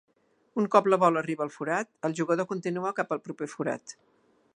Un cop la bola arriba al forat, el jugador continua cap al proper forat.